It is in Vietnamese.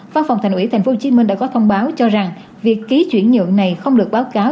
văn phòng thành ủy tp hcm đã có thông báo cho rằng việc ký chuyển nhượng này không được báo cáo